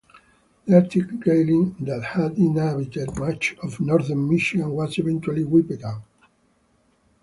The Arctic grayling that had inhabited much of Northern Michigan was eventually wiped out.